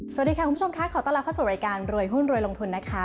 สวัสดีค่ะคุณผู้ชมค่ะขอต้อนรับเข้าสู่รายการรวยหุ้นรวยลงทุนนะคะ